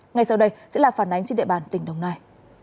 ngay sau đây sẽ là phản ánh trên địa bàn tỉnh đồng nai